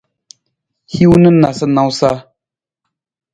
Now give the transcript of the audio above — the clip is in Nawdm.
Hiwung na nawusanawusa.